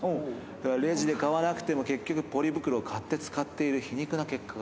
レジで買わなくても、結局、ポリ袋買って使っている皮肉な結果が。